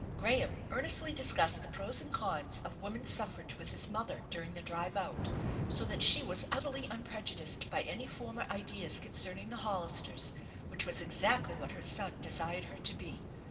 Graham earnestly discussed the pros and cons of woman's suffrage with his mother during the drive out, BO that she was utterly unprejudiced by any former ideas concerning the Hollisters, which ^as exactly what her son 160 THE ENCHANTED BARN desired her to be.